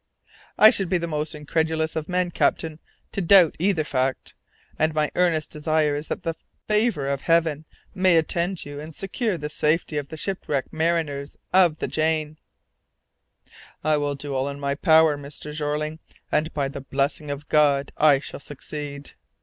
"I should be the most incredulous of men, captain, to doubt either fact, and my earnest desire is that the favour of Heaven may attend you and secure the safety of the shipwrecked mariners of the Jane." "I will do all in my power, Mr. Jeorling, and by the blessing of God I shall succeed."